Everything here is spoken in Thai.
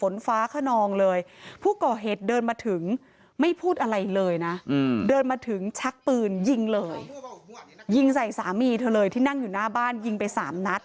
วางปืนยิงเลยยิงใส่สามีเธอเลยที่นั่งอยู่หน้าบ้านยิงไปสามนัด